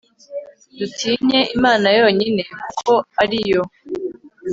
dutinye imana yonyine, kuko ari yo